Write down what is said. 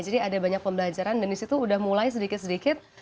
jadi ada banyak pembelajaran dan disitu udah mulai sedikit sedikit